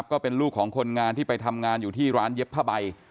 ก็เป็นลูกของคนงานที่ไปทำงานอยู่ที่ร้านเย็บผ้าใบ